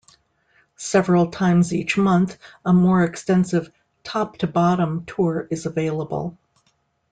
Several times each month a more extensive "top to bottom" tour is available.